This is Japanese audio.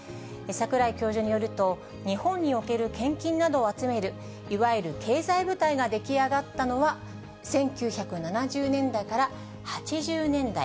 櫻井教授によると、日本における献金などを集める、いわゆる経済部隊が出来上がったのは１９７０年代から８０年代。